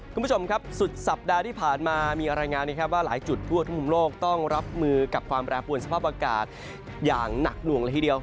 คุณผู้ชมครับสุดสัปดาห์ที่ผ่านมามีรายงานนะครับว่าหลายจุดทั่วทุกมุมโลกต้องรับมือกับความแปรปวนสภาพอากาศอย่างหนักหน่วงละทีเดียว